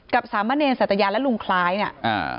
กับสามเมอร์เนรสัตยาและลุงคล้ายเนี่ย